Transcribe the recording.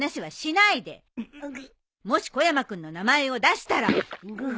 もし小山君の名前を出したら。